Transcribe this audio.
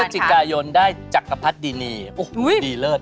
พฤศจิกายนได้จักรพรรดินีดีเลิศ